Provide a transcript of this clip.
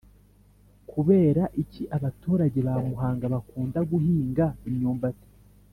Kubera iki abaturage ba muhanga bakunda guhinga imyumbati